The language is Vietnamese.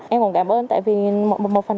em còn cảm ơn tại vì một phần